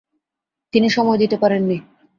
তিনি সময় দিতে পারেননি।